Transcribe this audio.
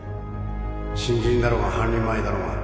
・新人だろうが半人前だろうが